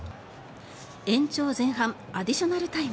延長前半アディショナルタイム。